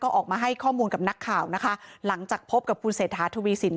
ออกมาให้ข้อมูลกับนักข่าวนะคะหลังจากพบกับคุณเศรษฐาทวีสิน